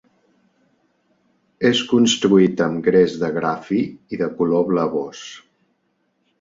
És construït amb gres de gra fi i de color blavós.